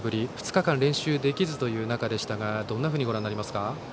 ２日間、練習できずという中でしたがどんなふうにご覧になりますか。